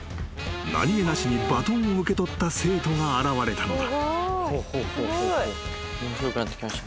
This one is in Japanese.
何げなしにバトンを受け取った生徒が現れたのだ］